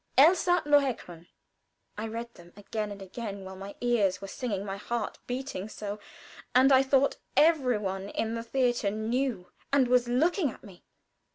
"Elsa Lohengrin." I read them again and again, while my ears were singing, my heart beating so, and I thought every one in the theater knew and was looking at me.